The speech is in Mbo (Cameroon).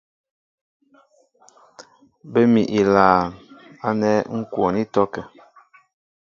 Bə́ mi ilaan ánɛ́ ŋ́ kwoon ítɔ́kə̂.